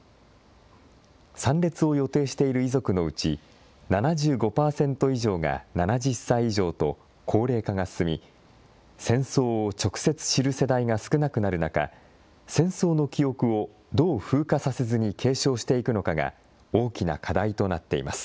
参列を予定している遺族のうち、７５％以上が７０歳以上と高齢化が進み、戦争を直接知る世代が少なくなる中、戦争の記憶をどう風化させずに継承していくのかが大きな課題となっています。